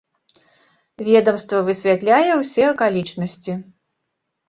Ведамства высвятляе ўсе акалічнасці.